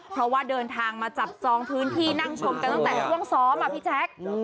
เพราะว่าเดินทางมาจับจองพื้นที่นั่งชมกันตั้งแต่ช่วงซ้อมอ่ะพี่แจ๊ค